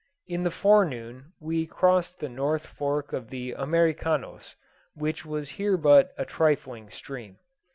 In the forenoon we crossed the north fork of the Americanos, which was here but a trifling stream.